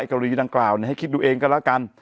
กรณีดังกล่าวให้คิดดูเองก็แล้วกัน